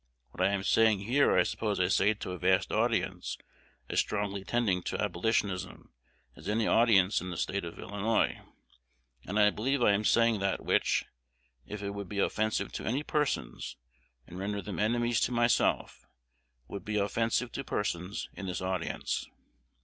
What I am saying here I suppose I say to a vast audience as strongly tending to abolitionism as any audience in the State of Illinois; and I believe I am saying that which, if it would be offensive to any persons, and render them enemies to myself, would be offensive to persons in this audience.